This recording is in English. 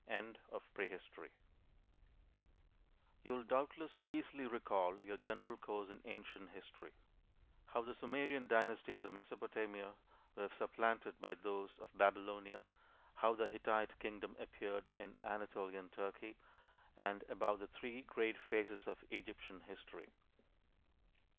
End of PREHISTORY You'll doubtless easily recall your general course in ancient history: how the Sumerian dynasties of Mesopotamia were supplanted by those of Babylonia, how the Hittite kingdom appeared in Anatolian Turkey, and about the three great phases of Egyptian history.